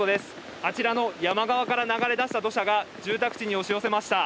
あちらの山側から流れ出した土砂が住宅地に押し寄せました。